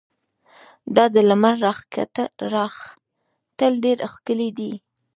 دا د لمر راختل ډېر ښکلی دي.